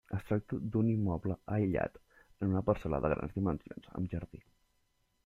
Es tracta d'un immoble aïllat en una parcel·la de grans dimensions amb jardí.